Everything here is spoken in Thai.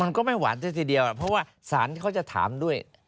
ก็ไม่หวานซะทีเดียวเพราะว่าสารเขาจะถามด้วย